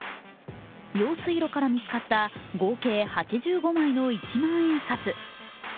用水路から見つかった合計８５枚の一万円札。